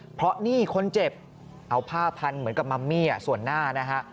เพราะนี่คนเจ็บเอาผ้าพันเหมือนกับมัมมี่ส่วนหน้านะฮะ